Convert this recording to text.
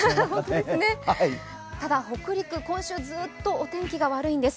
ただ、北陸、今週ずっとお天気が悪いんです。